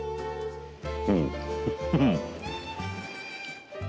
うんうん！